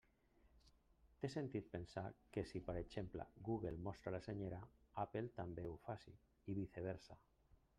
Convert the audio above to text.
Té sentit pensar que si, per exemple, Google mostra la Senyera, Apple també ho faci, i viceversa.